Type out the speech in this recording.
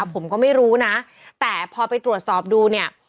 ผมก็ไม่รู้นะแต่พอไปตรวจสอบดูเนี่ย